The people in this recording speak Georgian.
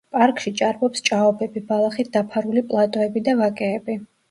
პარკში ჭარბობს ჭაობები, ბალახით დაფარული პლატოები და ვაკეები.